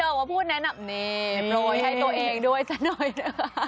ถ้าบอกว่าพูดแนะนำเนมรอยให้ตัวเองด้วยสักหน่อยนะคะ